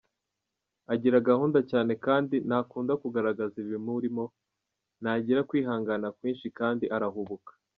Agira gahunda cyane kandi ntakunda kugaragaza ibimurimo, ntagira kwihangana kwinshi kandi arahubuka.